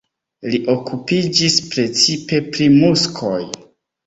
Li okupiĝis precipe pri muskoj.